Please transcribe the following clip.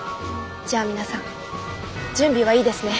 じゃあ皆さん準備はいいですね？